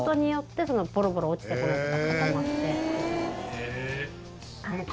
へえ。